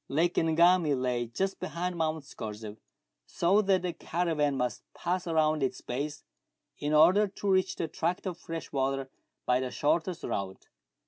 Lake Ngami lay just behind Mount Scorzef, so that the caravan must pass round its base in order to reach the tract of fresh water by the shortest route.